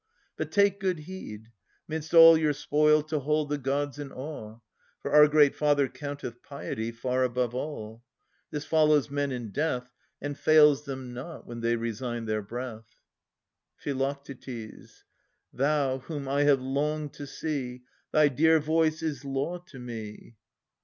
But, take good heed. Midst all your spoil to hold the gods in awe. For our great Father counteth piety Far above all. This follows men in death. And fails them not when they resign their breath. Phi. Thou whom I have longed to see, Thy dear voice is law to me.